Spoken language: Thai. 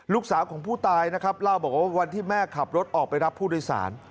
ลูกสาวของผู้ตายนะครับเล่าบอกว่าวันที่แม่ขับรถออกไปรับผู้โดยสาร